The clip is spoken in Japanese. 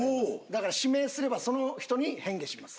だから指名すればその人に変化します。